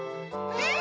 うん！